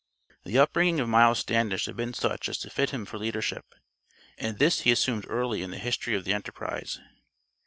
The up bringing of Miles Standish had been such as to fit him for leadership, and this he assumed early in the history of the enterprise.